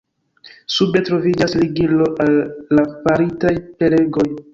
Sube troviĝas ligilo al la faritaj prelegoj.